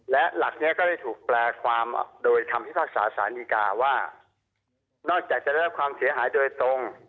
และหลักนี้ก็ได้ถูกแปลความโดยคำพิพากษาสารดีกาว่านอกจากจะได้รับความเสียหายโดยตรง